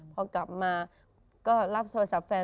พอกลับมาก็รับโทรศัพท์แฟน